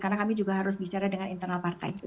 karena kami juga harus bicara dengan internal partai